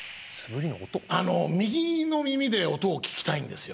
右の耳で音を聞きたいんですよ